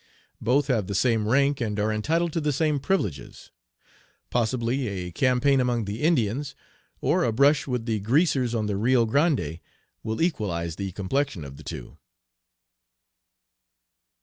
Both have the same rank and are entitled to the same privileges. Possibly a campaign among the Indians, or a brush with the 'Greasers' on the Rio Grande, will equalize the complexion of the two."